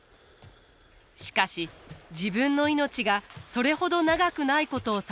しかし自分の命がそれほど長くないことを悟ります。